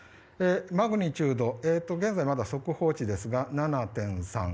マグニチュード現在まだ速報値ですが７．３。